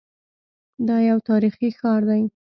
دا یو تاریخي ښار دی.